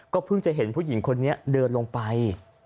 เพิ่งจะเห็นผู้หญิงคนนี้เดินลงไป